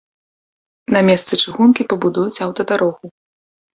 На месцы чыгункі пабудуюць аўтадарогу.